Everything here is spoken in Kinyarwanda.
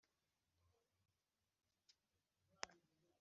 Ingingo ya mbere Igihe icyemezo cy iyandikwa